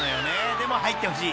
［でも入ってほしい。